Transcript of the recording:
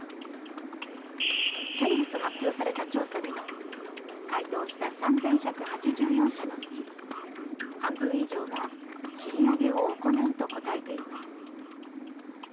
先月発表された調査では回答した３１８４社のうち半分以上が賃上げを行うと答えています。